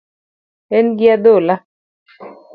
En gi adhola